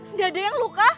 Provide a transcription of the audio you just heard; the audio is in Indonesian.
nggak ada yang luka